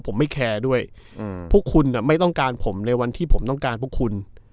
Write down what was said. ผมไม่แคร์ด้วยพวกคุณไม่ต้องการผมในวันที่ผมต้องการพวกคุณ